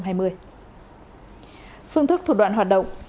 phương thức thủ đoạn hoạt động